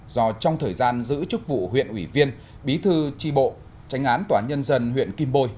do trong thời gian giữ chức vụ huyện ủy viên bí thư tri bộ tránh án tòa nhân dân huyện kim bôi